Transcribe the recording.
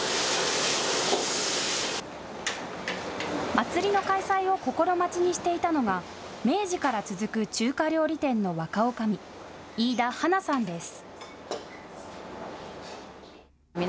祭りの開催を心待ちにしていたのが明治から続く中華料理店の若おかみ、飯田花さんです。